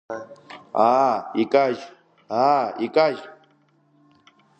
Аа, икажь, аа, икажь!